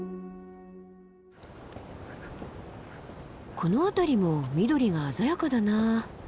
この辺りも緑が鮮やかだな。